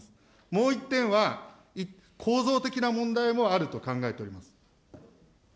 もう１点は、構造的な問題もあると考えております。